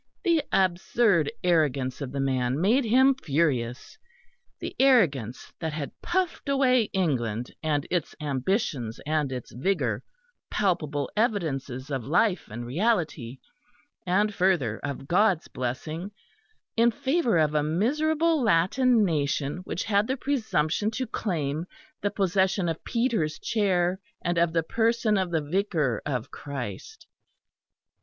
The absurd arrogance of the man made him furious the arrogance that had puffed away England and its ambitions and its vigour palpable evidences of life and reality, and further of God's blessing in favour of a miserable Latin nation which had the presumption to claim the possession of Peter's Chair and of the person of the Vicar of Christ!